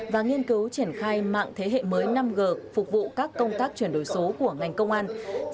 và nghiên cứu triển khai mạng thế hệ mới năm g phục vụ các công tác chuyển đổi số của ngành công an